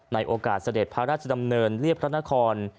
โอกาสเสด็จพระราชดำเนินเรียบพระนคร